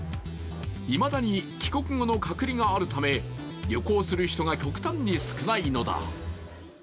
いまだに帰国後の隔離があるため、旅行する人が極端に少ないのだ。